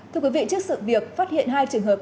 thưa quý vị trước sự việc phát hiện hai trường hợp